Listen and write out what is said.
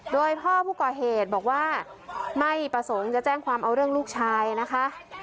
โดยพ่อผู้ก่อเหตุบอกว่าไม่ประสงค์จะแจ้งความเอาเรื่องลูกชายนะคะ